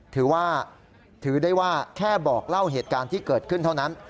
ถือว่าถือได้ว่าแค่บอกเล่าเหตุการณ์ที่เกิดขึ้นเท่านั้น